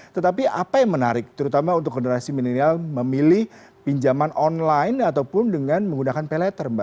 tetapi apa yang menarik terutama untuk generasi milenial memilih pinjaman online ataupun dengan menggunakan pay letter mbak